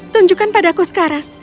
tunjukkan padaku sekarang